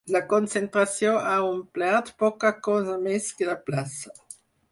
La concentració ha omplert poca cosa més que la plaça.